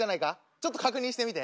ちょっと確認してみて。